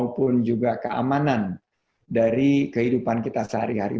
maupun juga keamanan dari kehidupan kita sehari hari